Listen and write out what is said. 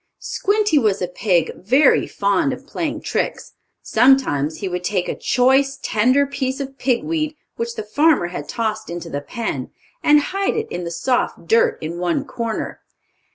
Squinty was a pig very fond of playing tricks. Sometimes he would take a choice, tender piece of pig weed, which the farmer had tossed into the pen, and hide it in the soft dirt in one corner.